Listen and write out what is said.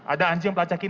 ada anjing pelacak kinain